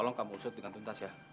tolong kamu usut dengan tuntas ya